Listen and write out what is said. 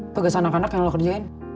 tugas anak anak yang lo kerjain